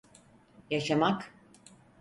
Yaşamak…